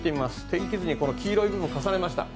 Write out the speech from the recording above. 天気図に黄色い部分を重ねました。